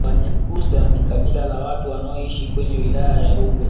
Wanyakyusa ni kabila la watu wanaoishi kwenye wilaya ya Rungwe